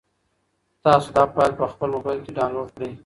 تاسو دا فایل په خپل موبایل کې ډاونلوډ کړئ.